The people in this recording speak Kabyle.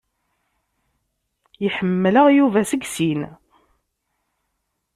Iḥemmel-aɣ Yuba seg sin.